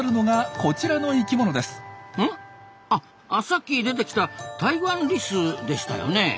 あさっき出てきたタイワンリスでしたよね。